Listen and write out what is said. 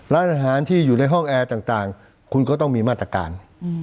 ร้านอาหารที่อยู่ในห้องแอร์ต่างคุณก็ต้องมีมาตรการ